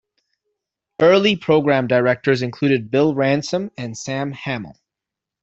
Early program directors included Bill Ransom and Sam Hamill.